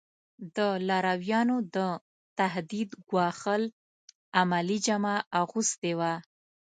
د لارویانو د تهدید ګواښل عملي جامه اغوستې وه.